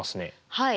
はい。